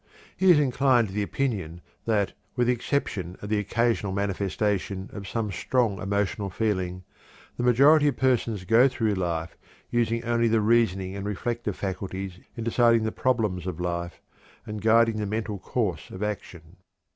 He is inclined to the opinion that, with the exception of the occasional manifestation of some strong emotional feeling, the majority of persons go through life using only the reasoning and reflective faculties in deciding the problems of life and guiding the mental course of action.